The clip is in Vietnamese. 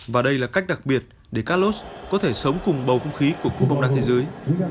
và đây là cách đặc biệt để calos có thể sống cùng bầu không khí của cú bóng đá thế giới